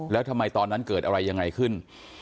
แล้วทำไมตอนนั้นเกิดอะไรยังไงขึ้น